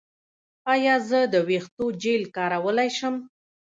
ایا زه د ویښتو جیل کارولی شم؟